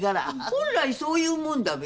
本来そういうもんだべ。